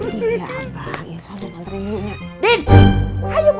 iya bang ya salah mau nganterin gue